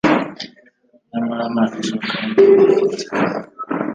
nyamara nta gaciro kanini bufite,